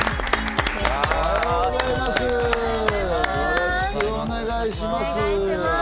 よろしくお願いします。